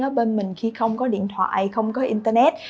ở bên mình khi không có điện thoại không có internet